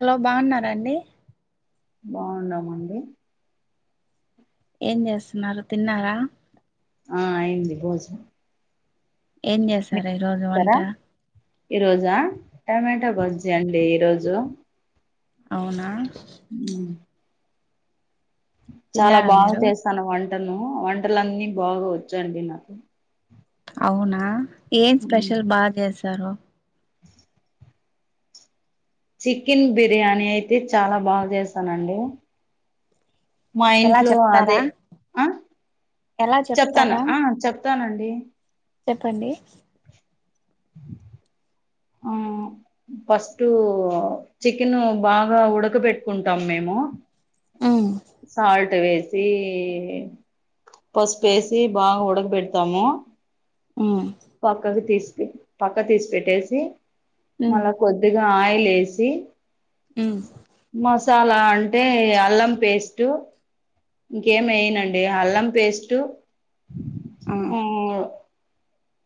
Hello బాగున్నారాండి బాగున్నామండి ఏం చేస్తున్నారు తిన్నారా ఆ అయింది భోజనం ఏమి చేస్ ఈరోజా టమాటో బజ్జి అండి ఈరోజు అవునా ఊ చాలా తిన్నారా బాగా మీరు చేస్తాను వంటను వంటలన్నీ బాగా వచ్చండి నా అవునా ఏం స్పెషల్ బా చేస్తారు చికెన్ బిర్యానీ అయితే చాలా బా చేస్తాండీ మా ఎలా ఇంట్లో చెప్తారా అదే ఆ ఎలా చెప్తాను చెప్తారా ఆ చెప్తానండి డి చెప్పండి ఆ ఫస్ట్ చికెన్ బాగా ఉడక పెట్టుకుంటాం మేము ఉమ్ సాల్ టువేసి పసుపు వేసి బాగా ఉడక పెడతాము ఉ పక్కకు తీసి పక్క తీసి పెట్టేసి ఉమ్ మళ్ళా కొద్దిగా ఆయి లేసి ఉమ్ సాలా అంటే అల్లం పేస్టు ఇంకేమెయినండి హల్లం పేస్టు ఆ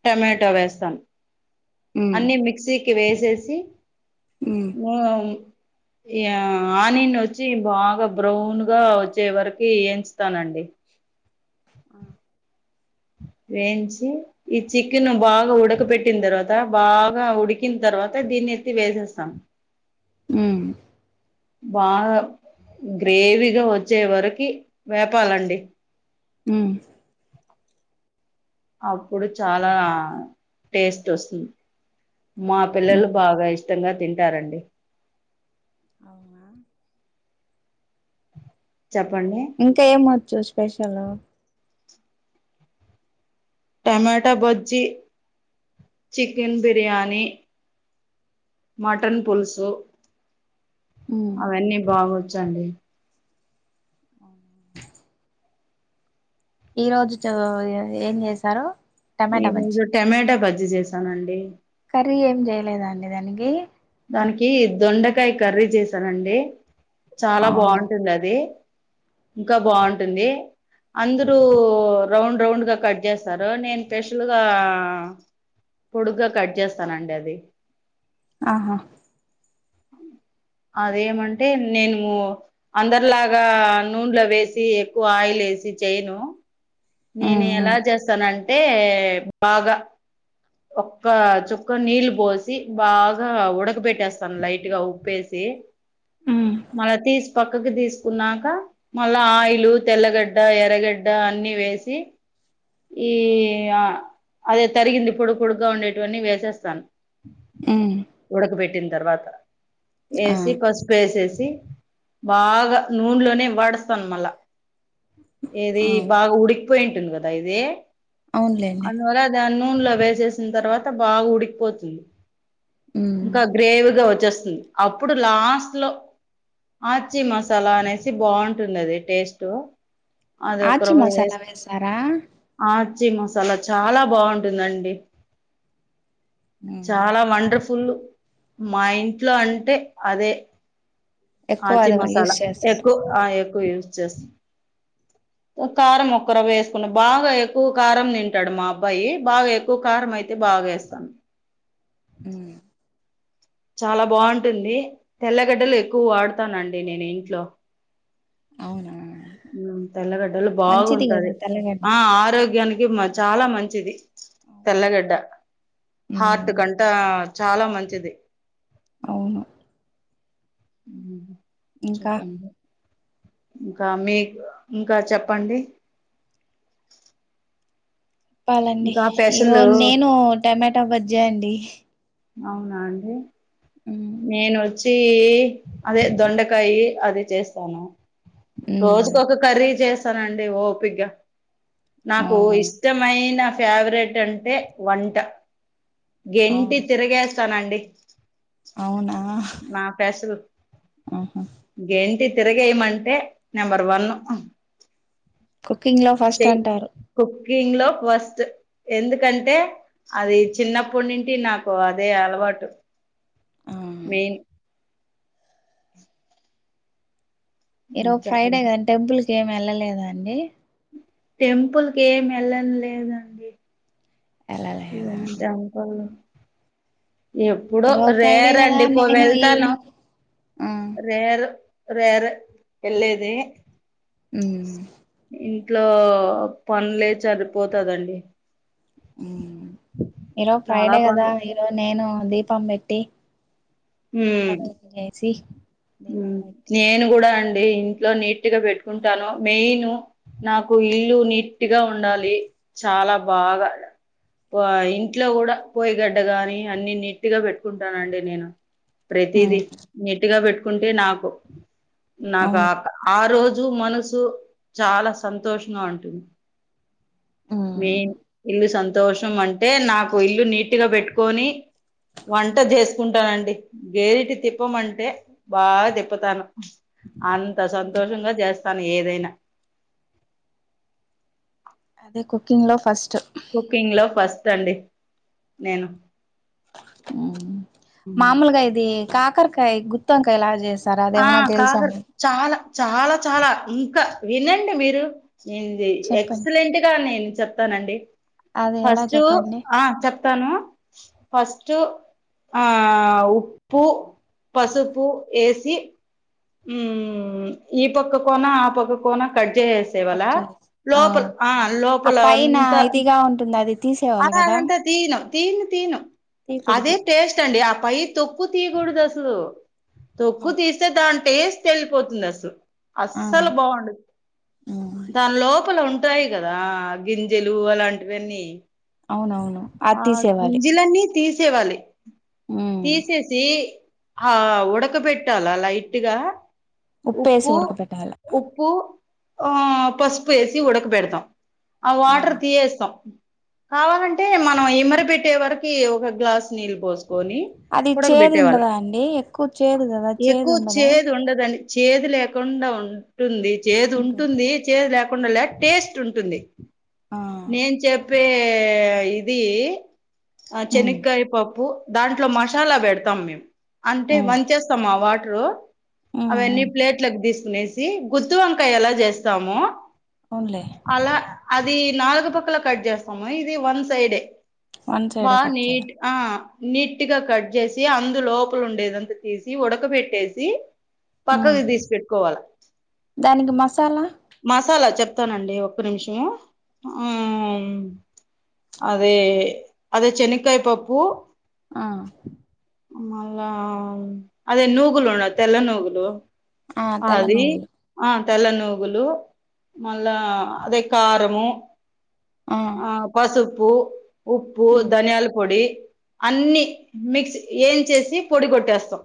టమెటో వేస్తాన్ ఉమ్ అన్ని మిక్సీకి వేసేసి ఉమ్ వామ్ యా ఆనినొచ్చి బాగా బ్రౌన్ గా వచ్చే వరకి ఏంచుతానండి ఆ వేంచి ఈ చికెను బాగా ఉడక పెట్టిన తర్వాత బాగా ఉడికిన తర్వాత దీన్ న్ని ఎత్తి వేసేస్తాం ఉ బాగా గ్రేవీగా వచ్చే వరకి వేపాలండి ఉ అప్పుడు చాలా టేస్టొస్తుంది మా పిల్లలు ఉమ్ బాగా ఇష్టంగా తింటారండి అవునా చెప్పండి ఇంకా ఏమొచ్చు special tomato bajji chicken biryani mutton పుల్సు ఉమ్ అవన్నీ బాగొచ్చండి ఈ రోజు చో ఏం జేసారో ఏమొ ఈ రోజు టమేట బజ్జీ జేసానండి కర్రీ ఏం జేయలేదా అండి దానికి దానికి దొండకాయ కర్రీ జేసానండి చాలా అవును బావుంటుంది అది ఇంకా బావుంటుంది అందరూ రౌండ్ రౌండ్ గా కట్ జెస్తారు నేన్ పెషులుగా పొడుగ్గా కట్ జేస్తానండి అది అహా అదేమంటే నేను అందర్లాగా నూండ్లో వేసీ ఎక్కువ ఆయి లేసి చేయను నేను ఎలా ఉమ్ చేస్తానం అంటే బాగా ఒక్క చుక్క నీళ్ళు బోసి బాగా ఉడక బెట్టేస్తాను లైట్గా ఉప్పేసి మళ్ళ తీస్ పక్కకి దీస్ కున్నాక మళ్ళా ఆయిలు తెల్లగడ్డ ఎర్రగడ్డ అన్ని వేసి ఈ అ అదే తరిగింది పొడు పొడుగ్గా ఉండేటివన్నీ వేసేస్తాన్ ఉ పెట్టిన్ తర్వాత ఏసి పసుపేసేస్ సి బాగా నూండ్లోనే వడుస్తాన్ మళ్ళా ఏది ఆ బాగా ఉడికిపోయింటుంది గదా ఇది అవునులేండి అందువల్ల దాన్ నూండ్లో వేసేసిన్ తర్వాత బాగ ఉడికిపోతుంది ఉమ్ ఇంకా గ్రేవ్గా వచ్చేస్తుంది అప్పుడు లాస్ట్లో ఆచ్చీ మసాలా అనేసి బాంటుంది అది టేస్టు అది ఒక్క ఆచి రవ్వ మసాలా వేసి వేసారా ఆచ్చీ మసాలా చాలా బాంటుందండి ఉమ్ చాలా వండర్ఫుల్ మా ఇంట్లో అంటే అదే ఎక్కువ ఆచి అది యూస్ మసాలా చేస్తారు ఎక్కువ ఆ ఉమ్ ఎక్కువ యూస్ చేస్తుంది ఓ కారం ఒక్కరవ్వ వేసుకున్నా బాగా ఎక్కువ కారం తింటాడు మా అబ్బాయి బాగా ఎక్కువ కారం అయితే బా ఆ వేస్తా ఉహ్ చాలా బాగుంటుంది తెల్లగడ్డలు ఎక్కువ వాడతానండి నేను ఇంట్లో అవునా ఉ తెల్లగడ్డలు మంచిది కదా బాగుంటది తెల్లగడ్డ ఆ ఆరోగ్యానికి మ చాలా మంచిది అవును. తెల్లగడ్డ హార్ట్ ఉమ్ కంటా చాలా మంచిది అవును ఉహు ఇంకా చెప్పండి ఇంకా మీ ఇంక చెప్పండి చెప్పాలండి ఇంకా స్పెషల్ ఈరోజు నేను టమాటా బజ్జే అండి అవునా అండి ఉమ్ నేను వ చీ అదే దొండకాయి అది చేస్తాను ఉమ్ రోజుకు ఒక కర్రీ చేస్తానండి ఓపిగా నాకు అవును ఇష్టమైన ఫేవరెట్ అంటే వంట గెంటి అవును చేస్తానండి అవునా మా ఫ్యాసలు ఆహా గెంటి తిరగేయమంటే నెంబర్ వన్ కింగ్ లో ఫస్ట్ చెయ్యి అంటారు కుకింగ్ లో ఫస్ట్ ఎందుకంటే అది చిన్నప్పటి నుడి నాకు అదే అలవా పాటు ఆ మెయిన్ ఇ రో ఫ్రైడే చెప్పండి కదా టెంపుల్కి ఏమి వెళ్ళలేదా అండి టెంపుల్కి ఏమి వెళ్ళడం లేదండి [inaudible] వెళ్ళలేదా ఎప్పుడో ఈరోజు ఫ్రైడే కదా రేరండి పో నేను వెళ్తాను ఈవినింగ్ ఆ రేరు రేర్ ఎల్లేది ఉమ్ ఇంట్లో పనులే సరిపోతదండి ఈరోజ చాలా ఫ్రైడే కదా పనులు ఈరోజు నేను దీపం పెట్టి ఇల్లంతా మ్మ్ క్లీన్ చేసి దీపం పెట్టి నేను కూడా అన్ అ ఇంట్లో నీట్గా పెట్టుకుంటాను మెయిన్ నాకు ఇల్లు నీట్గా ఉండాలి చాలా బాగా పో ఇంట్లో కూడా పోయగడ్డ గాని అన్ని నీట్గా పెట్టుకుంటానండి నేను ప్రతిది ఉమ్ నీట్ గా పెట్టుకుంటే నాకు నాకు అవును ఆ రోజు జు మనసు చాలా సంతోషంగా ఉంటుంది ఉమ్ మేయిన్ ఇల్లు సంత దోషం అంటే నాకు ఇల్లు నీటుగా పెట్టుకొని వంట చేసుకుంటానండి గేరిటి తిప్పమంటే బా తిప్పుతాను అంతా సంతోషంగా చేస్తాను ఏదైనా అదే కుకింగ్ లో ఫస్ట్ కుకింగ్ లో ఫస్ట్ అండి నేను మ్ మామూలుగా ఇదీ కాకరకాయ గుత్తొంకాయ లాగా చేస్ ఆ కాదర్ చాలా చాలా చాలా ఇంకా వినండి మీరు ఏంది చెప్పండి ఎక్సలెంట్ గా నేను చెప్తానండి అది ఎలా ఫస్టూ చెప్పండి ఆ చెప్తాను ఫస్ట్ ఆ ఉప్పు పసుపు ఏస్ ఈ మ్ ఈ పక్క కోనా ఆ పక్క కోన కడ్ ఎ సేవల కట్ చేసి లోపల ఆ ఆ పైన లోపలఅంతా ఇదిగా ఉంటుంది అది ఆ తీసేవాళ్ళు కదా అ తీను తియ్ను తియ్ను అదే తీయకూడదు టేస్ట్ అండి ఆ పై తొక్కు తీ కూడదు అసలు తొక్కు ఆహా తీస్తె దాని టేస్ట్ ఎలిపోతుంది అసలు ఆ అస్సలు బాగుండద్ ఉమ్ దాన్ లోపల ఉంట్ టాయి గదా గింజలు అలాంటివన్నీ అవునవును అది ఆ తీసేవాలి గింజలన్నీ తీసేవాలి ఉమ్ తీసేసి ఆ ఉడక బెట్టాల లైట్ ఇగా ఉప్పేసి ఉప్పు ఉడకబెట్టాల ఉప్పు ఆ పసుపు ఏసి ఉడక బెడతాం ఆ వాటర్ తీయేస్తాం కావాలంటే మనం ఇమరి పెట్టే వరకి ఒక గ్లాస్ నీళ్ళు పోస్ అది చేదు ఉండదా అండి ఎక్కువ్ చేదు గదా చేదు ఎక్కువ ఉండ్ చేదు ఉండదండి చద్ లేకుండా ఉంటుంది చేదు ఉంటుంది చేదు లేక్ ఉండలే టేస్ట్ ఉంటుంది ఆ నేను చెప్ పే ఇదీ ఆ ఉమ్ చెనకాయ పప్పు దాంట్లో మశాలా పెడతాం మేము అంటే ఉమ్ వంచేస్తామా వాటర్ ఉమ్ అవన్నీ ఉమ్ ప్లేట్లకు తీస్కునేసి గుత్తి వంకాయ ఎలా చేస్తాము అవునులే అలా అది నాలుగు పక్కల కట్ చేస్తాము ఇది వన్ సైడే వన్ బా సైడే కట్ నీట్ చేయాలి ఆ నీట్గా కట్ చేసి అందు లోపల ఉండేదంత తీసి ఉడక బెట్టేసి ఉమ్ పక్కకి తీసి పెట్కోవాల దానికి మసాలా మసాలా చెప్ తానండి ఒక్క నిమిషము ఆ అదే అదె చెనక్కాయ్ పప్పు ఆ మళ్ళా అదే నూగులు ఉడ తెల్ల నూగులు ఆ తెల్ల అది నువ్వులు ఆ తెల్ల నూగులు మళ్ళా అదె కారము ఆ పసుపు ఉప్పు ఉమ్ ధనియాల్ పొడి అన్ని మిక్స్ ఏం చేసి పొడి గొట్టేస్తాం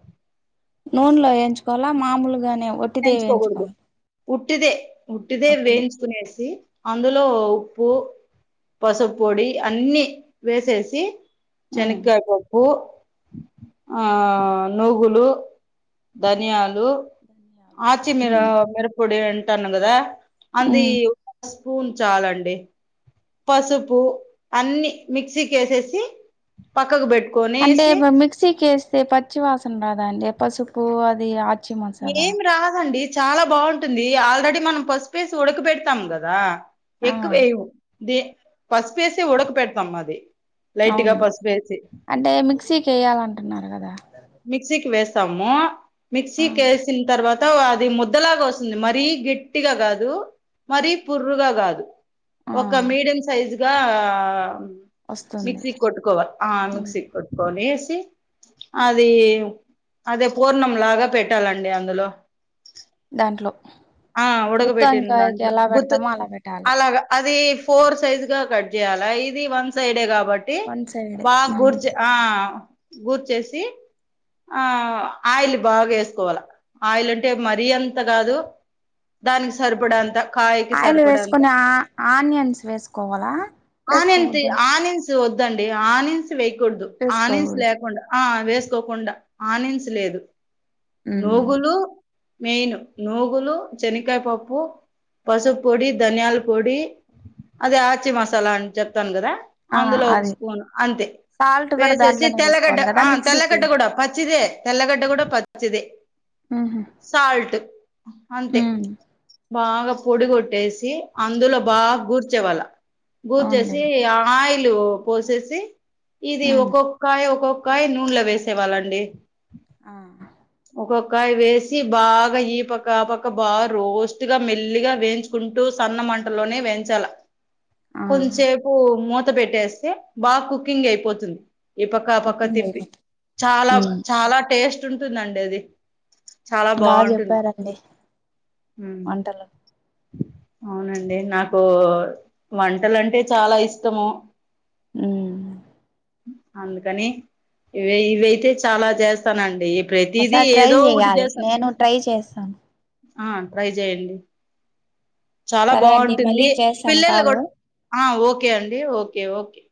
నూన్లో వేయించుకోవాలా మామూలుగానే ఒట్టిదే వేంచ్ వేయించుకోకూడదు ఉట్టిదే ఉట్టిదే వేయించుకునేసి అందులో ఉప్పు పసుపు పొడి అన్ని వేసేసి ఉమ్ చెనక్కాయ్ పప్పు ఆ నుగులు ధనియాలు ధనియాలు ఆచి మిర ఉమ్ మిరపపొడి అంటానుకదా అందీ ఉమ్ పూన్ చాలండి పసుపు అన్ని మిక్సీ కేసేసి పక్కకు బెట్ అంటే బ మిక్సీకి వేస్తే పచ్చివాసన రాదా అండి పసుపు అది ఆచి మసాలా ఏం రాదండి చాల బాగుంటుంది ఆల్రెడీ మనం పసుపువేసి ఉడక పెడతాం కదా ఆ ఎక్కువేయము పస్పేసే ఉడకపెడతాము అది లైట్ గా అవును పసుపేసి అంటే మిక్సీకి వెయాలంటున్నారు కదా మిక్సికి వేస్తాము ఆ మిక్సీకి వేసిన తర్వాత అది ముద్దలాగ వస్తుంది మరీ గట్టిగ కాదు మరి పుర్రుగ కాదు ఆ ఒక మీడియం సైజుగా వస్తుంది మిక్సీ కొట్కోవ ఆ ఉమ్ మిక్సికి కొట్టుకోనేసి అది అదే పూర్ణం లాగ పెట్టాలండి అందులో దాంట్లో ఆ ఉడక గుత్తి పెట్టిన వంకాయకి దాంట్లో ఎలా గుత్తు పెడతామో అలా పెట్టాలి అలాగ అది ఫోర్ సైజ్ గా కట్ చేయాల ఇది వన్ సైడే కాబట్టి వన్ సైడ్ బాగ ఉమ్ గుర్చి ఆ గుర్చేసి ఆ ఆయిల్ బాగ వేసుకోవాల ఆయిల్ అంటే మరి అంత కాదు దానికి సరిపడా అంత కాయకి ఆయిల్ సరిపడ అంత వేసుకొని ఆ ఆనియన్స్ వేసుకోవాలా [unintelligible] వేసుకోవద్దా ఆని వద్దండి ఆనియన్స్ వేయకూడదు ఆనిన్స్ వేసుకోకూడదు లేకుండ వేసుకోకుండ ఆనియన్స్ లేదు ఉమ్ నుగులు మెయిన్ నూగులు చెనకయ్ పప్పు పసుపు పొడి ధనియాల పొడి అదే ఆచి మసాల అని చెప్తాను కదా ఆ అందులో ఒక అది స్పూన్ అంతే సాల్ట్ కూడా వేసేసి దాంట్లోనే తెల్లగడ్డ వేసుకోవాలి కదా ఆ మిక్సీకి తెల్లగడ్డ కూడ పచ్చిదే తెలగడ్డ కూడ ప ఉహు సాల్ట్ అంతే ఉమ్ బాగ పొడిగొట్టేసి అందులో బాగ గుర్చేవాళ్ళ గూర్చేసి అవునులేండి ఆయిల్ పోసేసి ఇది ఉమ్ ఒక్కొక్కయ ఒక్కొక్ [unintelligible] నూనెలో వేసేవాళ్ళండి ఆ ఒక్కొక్కయ వేసి బాగ ఈ పక్క ఆ పక్క బాగ రోస్ట్గా మెల్లిగ వేయించుకుంటూ సన్న మంటలోనే వెంచాల ఆ కొంసేపు మూత పెట్టేస్తే బాగ కుకింగ్ అయిపోతుంది ఈ పక్క ఆపక్క కుకింగ్ తిప్పి అయిపో చాలా చాల టేస్ట్ ఉంటుందండి అది చాల బాగా బాగుంటుంది చెప్పారండి వంటలు అవునండి నాకు వంటలంటే చాల ఇష్టము ఊ అందుకని ఇవి ఇది అయితే చాల చేస్తానండి ప్రతిదీ ఒకసారి ట్రై ఏదో ఒకటి చేయాలి చేస్తాం నేను ట్రై చేస్తాను ఆ ట్రై చేయండి చాల సరే అండి బాగుంటుంది మళ్ళీ చేస్తాను పిల్లలు కూడ కాలు ఓకే అండి ఓకే ఓకే